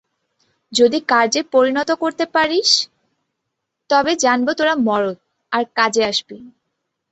যদি কার্যে পরিণত করিতে পারিস তবে জানব তোরা মরদ, আর কাজে আসবি।